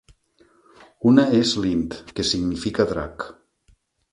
Una és lint, que significa "drac".